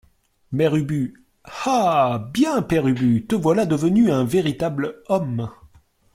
Mère Ubu Ah ! bien, Père Ubu, te voilà devenu un véritable homme.